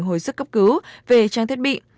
hồi sức cấp cứu về trang thiết bị